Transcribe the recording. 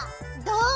どう？